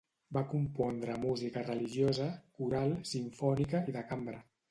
Va compondre música religiosa, coral, simfònica i de cambra.